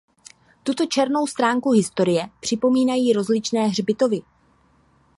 Tuto černou stránku historie připomínají rozličné hřbitovy.